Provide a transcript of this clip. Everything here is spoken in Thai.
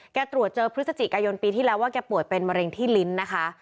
ตรวจเจอพฤศจิกายนปีที่แล้วว่าแกป่วยเป็นมะเร็งที่ลิ้นนะคะ